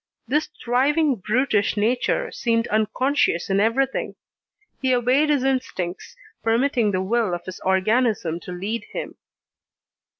This thriving brutish nature seemed unconscious in everything. He obeyed his instincts, permitting the will of his organism to lead him.